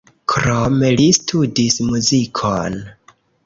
Krome li studis muzikon.